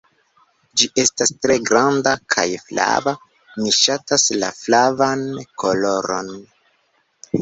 "Ĝi estas tre granda kaj flava. Mi ŝatas la flavan koloron."